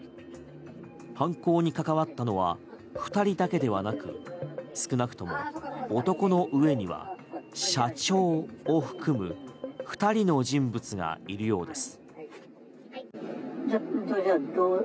犯行に関わったのは２人だけではなく少なくとも男の上には社長を含む２人の人物がいるようです。